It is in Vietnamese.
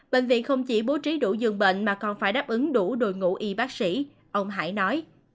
bệnh viện không chỉ bố trí đủ dường bệnh mà còn phải đáp ứng đủ đội ngũ y bác sĩ ông hải nói